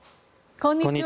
こんにちは。